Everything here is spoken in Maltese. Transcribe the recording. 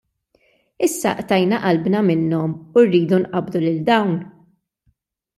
Issa qtajna qalbna minnhom u rridu nqabbdu lil dawn!?